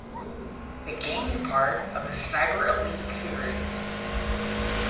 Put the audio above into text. The game is part of the Sniper Elite series.